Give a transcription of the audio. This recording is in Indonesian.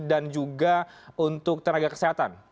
dan juga untuk terangkan